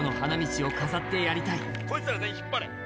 こいつら全員引っ張れ。